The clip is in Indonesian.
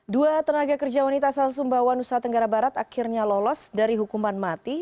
dua tenaga kerja wanita asal sumbawa nusa tenggara barat akhirnya lolos dari hukuman mati